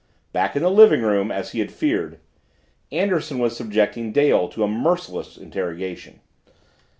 Back in the living room, as he had feared, Anderson was subjecting Dale to a merciless interrogation.